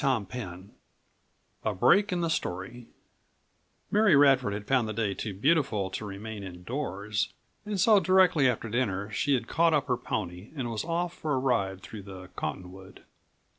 CHAPTER XVII A BREAK IN THE STORY Mary Radford had found the day too beautiful to remain indoors and so directly after dinner she had caught up her pony and was off for a ride through the cottonwood.